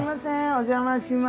お邪魔します。